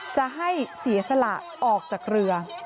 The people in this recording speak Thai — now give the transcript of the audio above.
จะให้เสียสละออกจากเรือ